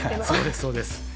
そうですそうです。